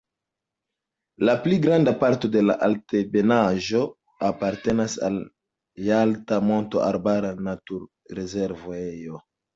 La pli granda parto de la altebenaĵo apartenas al la Jalta mont-arbara naturrezervejo.